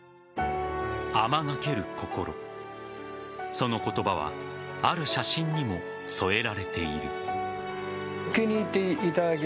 その言葉はある写真にも添えられている。